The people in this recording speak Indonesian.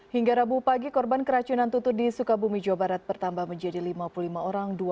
hingga rabu pagi korban keracunan tutut di sukabumi jawa barat bertambah menjadi lima puluh lima orang